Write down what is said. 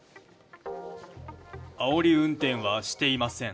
あおり運転はしていません。